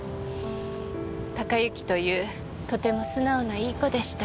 孝之というとても素直ないい子でした。